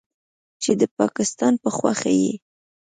چې د پکستان په خوښه یې